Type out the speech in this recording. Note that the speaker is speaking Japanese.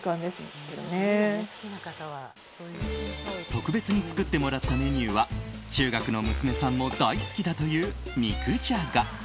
特別に作ってもらったメニューは、中学の娘さんも大好きだという肉じゃが。